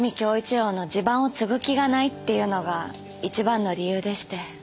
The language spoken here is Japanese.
良の地盤を継ぐ気がないっていうのが一番の理由でして。